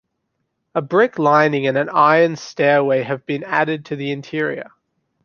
A brick lining and an iron stairway have been added to the interior.